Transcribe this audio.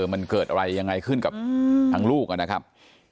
มันเกิดอะไรยังไงขึ้นกับทางลูกนะครับ